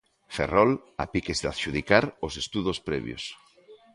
Ferrol, a piques de adxudicar os estudos previos.